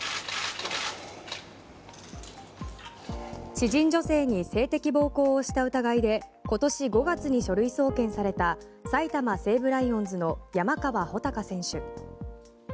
知人女性に性的暴行をした疑いで今年５月に書類送検された埼玉西武ライオンズの山川穂高選手。